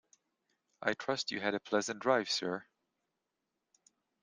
I trust you had a pleasant drive, sir.